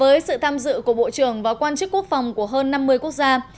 với sự tham dự của bộ trưởng và quan chức quốc phòng của hơn năm mươi quốc gia